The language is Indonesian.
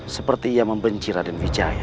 seperti ia membenci raden wijaya